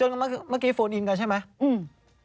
เมื่อกี้เซียนกันใช่ไหม